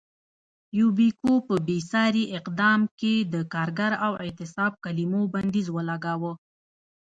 یوبیکو په بېساري اقدام کې د کارګر او اعتصاب کلیمو بندیز ولګاوه.